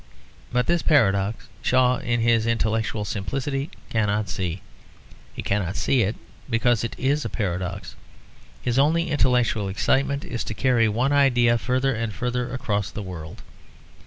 But this paradox Shaw in his intellectual simplicity cannot see; he cannot see it because it is a paradox. His only intellectual excitement is to carry one idea further and further across the world.